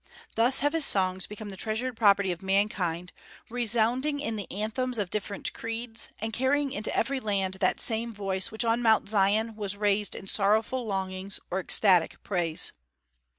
"Thus have his songs become the treasured property of mankind, resounding in the anthems of different creeds, and carrying into every land that same voice which on Mount Zion was raised in sorrowful longings or ecstatic praise."